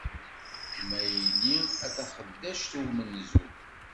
Kem a yell-i, a taxeddact umenzu!